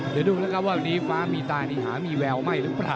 เดี๋ยวดูนะครับว่าวันนี้ฟ้ามีตายนี่หามีแววไหม้หรือเปล่า